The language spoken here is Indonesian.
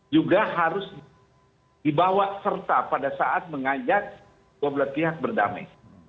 juga harus dibawa serta pada saat mengajak dua belah pihak berdamai